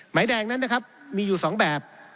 หมายแดงนั้นนะครับมีอยู่๒แบบ